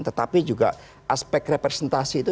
tetapi juga aspek representasi itu